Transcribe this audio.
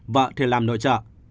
vợ thì làm nội trợ